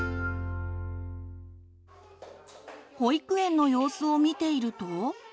保育園の様子を見ていると。